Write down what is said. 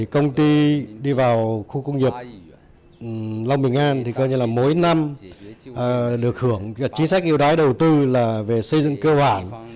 công ty đi vào khu công nghiệp long bình an mỗi năm được hưởng chính sách yêu đáy đầu tư về xây dựng cơ hoản